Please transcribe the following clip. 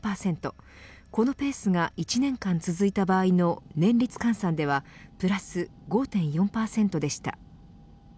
このペースが１年間続いた場合の年率換算ではプラス５．４％でした。